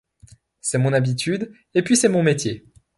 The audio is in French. C’est mon habitude et puis c’est mon métier.